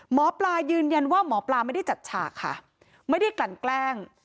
หมอปลายืนยันว่าหมอปลาไม่ได้จัดฉากค่ะไม่ได้กลั่นแกล้ง